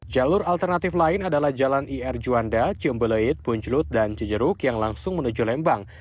jalur alternatif lain adalah jalan ir juanda ciumbeleit punjlut dan cijeruk yang langsung menuju lembang